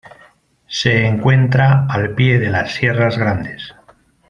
Se encuentra al pie de las Sierras Grandes.